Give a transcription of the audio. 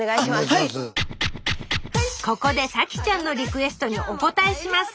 ここで沙樹ちゃんのリクエストにお応えします！